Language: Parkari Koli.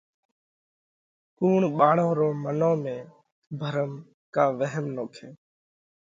ڪُوڻ ٻاۯون رون منَون ۾ ڀرم ڪا وهم نوکئه؟